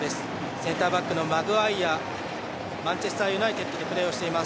センターバックのマグワイアマンチェスター・ユナイテッドでプレーしています。